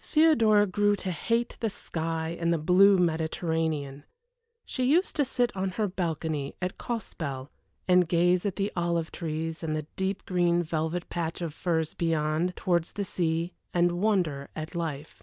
Theodora grew to hate the sky and the blue Mediterranean. She used to sit on her balcony at Costebelle and gaze at the olive trees, and the deep green velvet patch of firs beyond, towards the sea, and wonder at life.